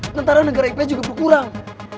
sementara negara ip juga berkurang